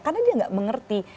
karena dia tidak mengerti